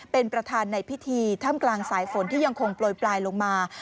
เป็นประธานในพิธีถ้ำกลางสายฝนที่ยังคงโปรยปลายลงมา